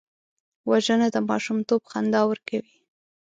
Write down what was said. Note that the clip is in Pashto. وژنه د ماشومتوب خندا ورکوي